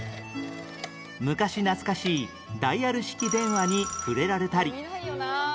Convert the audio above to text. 昔懐かしいダイヤル式電話に触れられたり